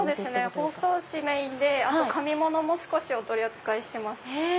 包装紙メインで紙ものもお取り扱いしてます。